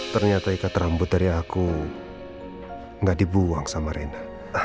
ternyata ikat rambut dari aku gak dibuang sama rina